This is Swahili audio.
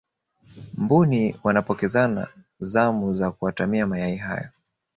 mbuni wanapokezana zamu za kuatamia mayai hayo